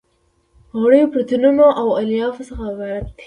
غوړیو پروتینونو او الیافو څخه عبارت دي.